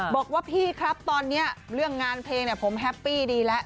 บอกว่าพี่ครับตอนนี้เรื่องงานเพลงผมแฮปปี้ดีแล้ว